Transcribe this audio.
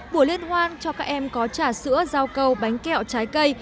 bữa liên hoan cho các em có trà sữa rau câu bánh kẹo trái cây